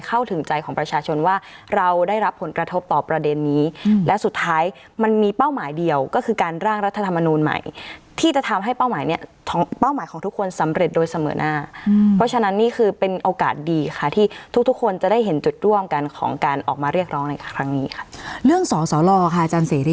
เข้าถึงใจของประชาชนว่าเราได้รับผลกระทบต่อประเด็นนี้และสุดท้ายมันมีเป้าหมายเดียวก็คือการร่างรัฐธรรมนูลใหม่ที่จะทำให้เป้าหมายเนี้ยท้องเป้าหมายของทุกคนสำเร็จโดยเสมอหน้าเพราะฉะนั้นนี่คือเป็นโอกาสดีค่ะที่ทุกทุกคนจะได้เห็นจุดร่วมกันของการออกมาเรียกร้องในครั้งนี้ค่ะเรื่องสอสอรอค่ะอาจารย์เสรี